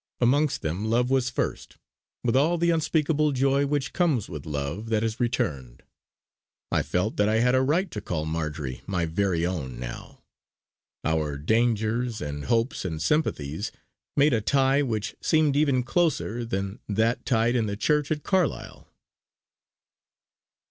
Amongst them love was first; with all the unspeakable joy which comes with love that is returned. I felt that I had a right to call Marjory my very own now. Our dangers and hopes and sympathies made a tie which seemed even closer than that tied in the church at Carlisle.